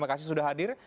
terima kasih sudah hadir